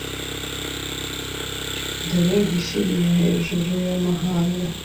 Dore ngushyiriye hejuru y’amahanga